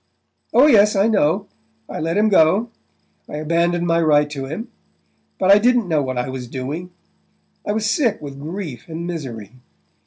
Oh, yes, I know I let him go I abandoned my right to him...but I didn't know what I was doing...I was sick with grief and misery.